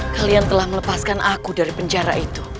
kalian telah melepaskan aku dari penjara itu